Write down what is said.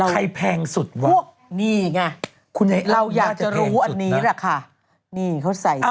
แพงสุดว่ะนี่ไงเราอยากจะรู้อันนี้แหละค่ะนี่เขาใส่